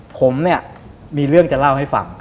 ผมเนี่ยมีเรื่องจะเล่าให้ฟัง